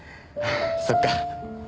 そっか。